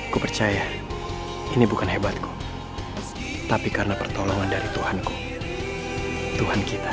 ku percaya ini bukan hebatku tapi karena pertolongan dari tuhanku tuhan kita